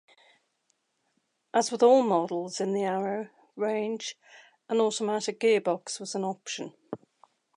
As with all models in the Arrow range, an automatic gearbox was an option.